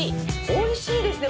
おいしいですね